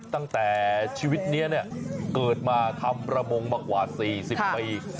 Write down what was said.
ตั้งแต่ชีวิตนี้เกิดมาทำประมงมากว่า๔๐ปี